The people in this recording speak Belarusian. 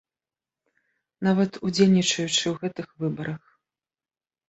Нават удзельнічаючы ў гэтых выбарах.